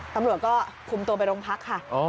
ตำรวจก็คุมตัวไปโรงพักค่ะ